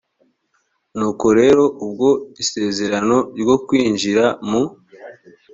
nuko rero ubwo isezerano ryo kwinjira mu